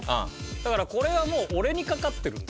だからこれはもう俺にかかってるんですよね